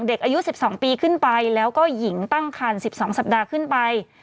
เด็กอายุ๑๒ปีขึ้นไปแล้วก็หญิงตั้งคัน๑๒สัปดาห์ขึ้นไป